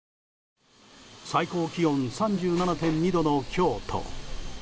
最高気温３７．２度の京都。